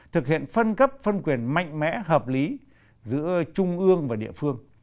thực hiện phân cấp phân quyền mạnh mẽ hợp lý giữa trung ương và địa phương